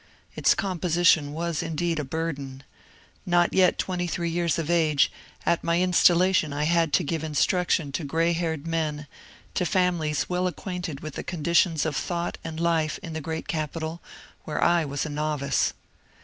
Its composition was indeed a burden. Not yet twenty three years of age, at my installation I had to give in struction to grey haired men, to families well acquainted with the conditions of thought and life in the great capital where I was a novice.